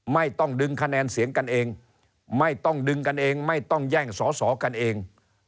ไม่ต้องดึงคะแนนเสียงกันเองไม่ต้องดึงกันเองไม่ต้องแย่งสอสอกันเอง